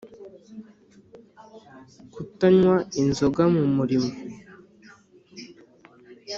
Kutanywa inzoga mu murimo